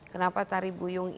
kenapa tari buyung ini